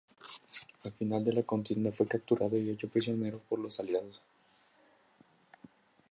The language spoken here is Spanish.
Al final de la contienda fue capturado y hecho prisionero por los aliados.